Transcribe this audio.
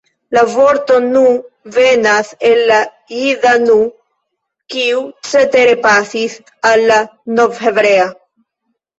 La vorto nu venas de la jida nu, kiu cetere pasis al la novhebrea.